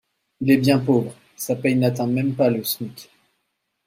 Il est bien pauvre, sa paye n'atteint même pas le smic.